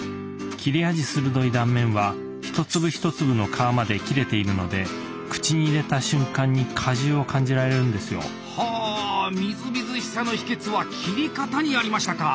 切れ味鋭い断面は一粒一粒の皮まで切れているので口に入れた瞬間に果汁を感じられるんですよ。はみずみずしさの秘けつは切り方にありましたか！